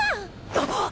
あっ！